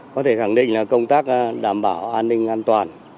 có thể khẳng định là công tác đảm bảo an ninh an toàn